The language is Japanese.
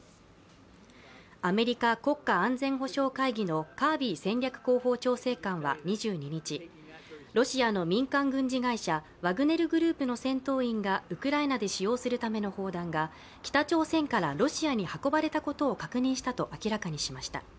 アメリカ国家安全保障会議のカービー戦略広報調整官は２２日、ロシアの民間軍事会社ワグネル・グループの戦闘員がウクライナで使用するための砲弾が北朝鮮からロシアに運ばれたことを確認したと明らかにしました。